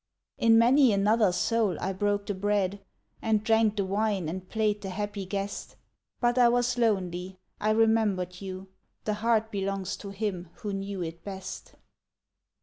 In many another soul I broke the bread, And drank the wine and played the happy guest, But I was lonely, I remembered you; The heart belongs to him who knew it best.